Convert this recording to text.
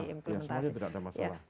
semuanya tidak ada masalah